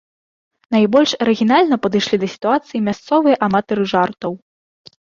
Найбольш арыгінальна падышлі да сітуацыі мясцовыя аматары жартаў.